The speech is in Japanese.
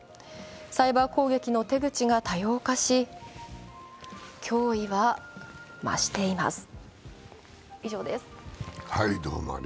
サイバー攻撃の手口が多様化し、脅威は増しています。